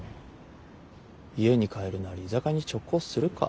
家に帰るなり居酒屋に直行するか？